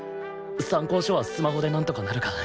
参考書はスマホでなんとかなるか